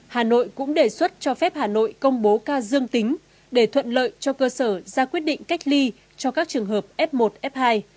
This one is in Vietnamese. hà nội cũng đề xuất cho phép hà nội công bố ca dương tính để thuận lợi cho cơ sở ra quyết định cách ly cho các trường hợp f một f hai